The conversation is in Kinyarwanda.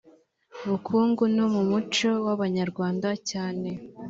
bukungu no mu muco w abanyarwanda cyane